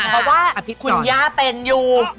เพราะว่าคุณย่าเป็นอยู่